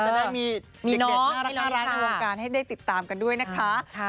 จะได้มีเด็กน่ารักในวงการให้ได้ติดตามกันด้วยนะคะ